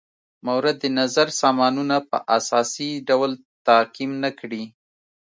مورد نظر سامانونه په اساسي ډول تعقیم نه کړي.